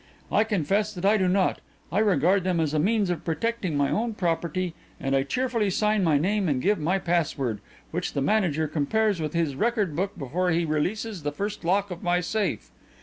I confess that I do not. I regard them as a means of protecting my own property and I cheerfully sign my name and give my password, which the manager compares with his record book before he releases the first lock of my safe.